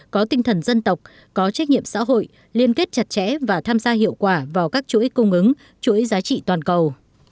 có tinh thần dân tộc có trách nhiệm xã hội liên kết chặt chẽ và tham gia hiệu quả vào các chuỗi cung ứng chuỗi giá trị toàn cầu